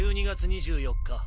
１２月２４日